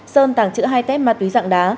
sơn tàng chữ hai tép ma túy dạng đá